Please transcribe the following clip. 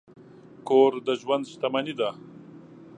کور د ژوند شتمني ده.